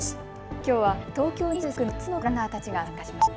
きょうは東京２３区の４つの区のランナーたちが参加しました。